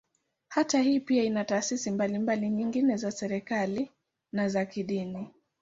Kata hii pia ina taasisi mbalimbali nyingine za serikali, na za kidini.